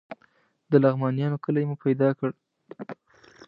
د لغمانیانو کلی مو پیدا کړ.